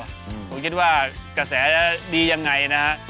ผมคิดว่ากระแสจะดียังไงนะฮะ